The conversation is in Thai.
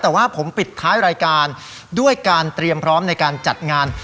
แต่ว่าผมปิดท้ายรายการด้วยการเตรียมพร้อมในการจัดงาน